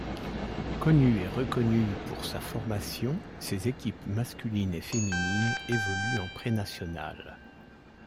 Connu et reconnu pour sa formation ses équipes masculine et féminine évoluent en Prénationale.